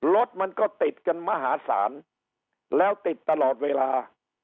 รถมันก็ติดกันมหาศาลแล้วติดตลอดเวลา